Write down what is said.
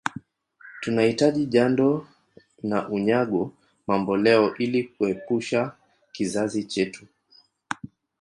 Tunahitaji Jando na Unyago mamboleo Ili kuepusha kizazi chetu